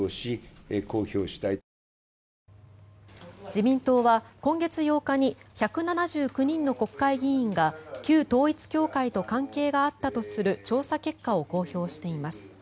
自民党は今月８日に１７９人の国会議員が旧統一教会と関係があったとする調査結果を公表しています。